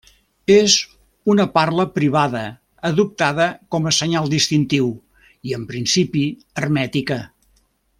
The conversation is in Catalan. És una parla privada adoptada com a senyal distintiu i en principi hermètica.